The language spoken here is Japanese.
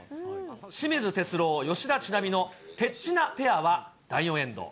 清水徹郎、吉田知那美のてっちなペアは、第４エンド。